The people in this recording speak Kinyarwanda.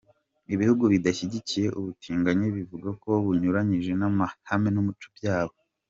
Ibihugu bidashyigikiye ubutinganyi bivuga ko bunyuranyije n’ amahame n’ umuco byabo.